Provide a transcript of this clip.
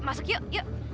masuk yuk yuk